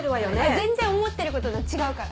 全然思ってることと違うから。